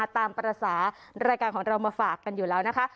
ตามภาษารายการของเรามาฝากกันอยู่แล้วนะคะ